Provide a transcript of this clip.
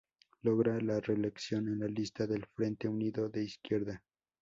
Logra la reelección en la lista del Frente Unido de Izquierda.